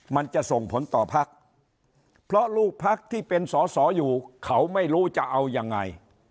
มันจะส่งผลต่อพักเพราะลูกพักที่เป็นสอสออยู่เขาไม่รู้จะเอายังไง